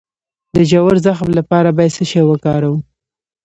د ژور زخم لپاره باید څه شی وکاروم؟